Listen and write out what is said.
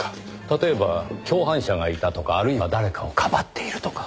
例えば共犯者がいたとかあるいは誰かをかばっているとか。